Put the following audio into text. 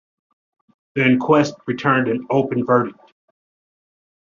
The inquest returned an open verdict.